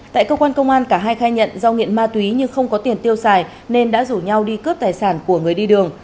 tại cơ quan công an cả hai khai nhận do nghiện ma túy nhưng không có tiền tiêu xài nên đã rủ nhau đi cướp tài sản của người đi đường